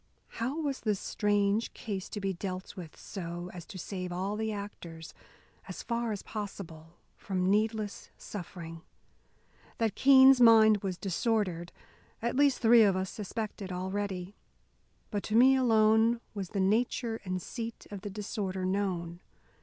How was this strange case to be dealt with so as to save all the actors, as far as possible, from needless suffering? That Keene's mind was disordered at least three of us suspected already. But to me alone was the nature and seat of the disorder known.